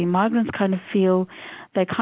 migran berasa seperti mereka